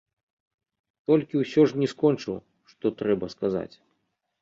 Толькі ўсё ж не скончыў, што трэба сказаць.